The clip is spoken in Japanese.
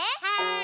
はい。